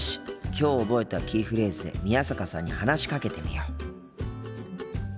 きょう覚えたキーフレーズで宮坂さんに話しかけてみよう。